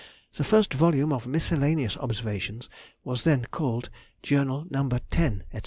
The first volume of miscellaneous observations was then called Journal No. 10, &c.